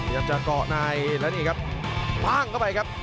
ลองจะกรอกในแล้วนี่ครับว้างเข้าไปครับ